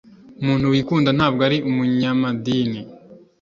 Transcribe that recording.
umuntu wikunda ntabwo ari umunyamadini